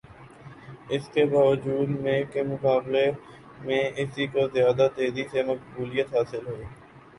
اس کے باوجود میک کے مقابلے میں اسی کو زیادہ تیزی سے مقبولیت حاصل ہوئی